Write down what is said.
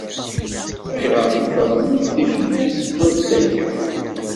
Ayɣer ay la trennuḍ tifyar s adeg-a?